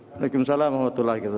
waalaikumsalam warahmatullahi wabarakatuh